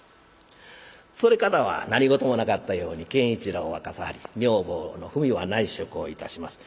それからは何事もなかったように健一郎は傘張り女房のふみは内職をいたします。